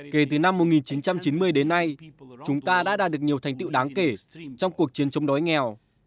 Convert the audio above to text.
kể từ năm một nghìn chín trăm chín mươi đến nay chúng ta đã đạt được nhiều thành tiệu đáng kể trong cuộc chiến chống đói nghèo